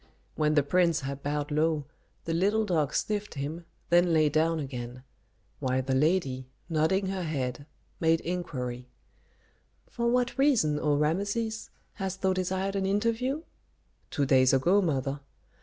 When the prince had bowed low, the little dog sniffed him, then lay down again; while the lady, nodding her head, made inquiry, "For what reason, O Rameses, hast thou desired an interview?" "Two days ago, mother."